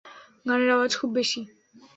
গানের আওয়াজ খুব বেশী।